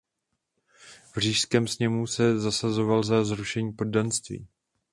V Říšském sněmu se zasazoval za zrušení poddanství.